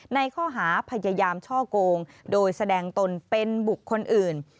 ในข้อหาพยายามช่อกงโดยแสดงตนเป็นบุคคลอื่น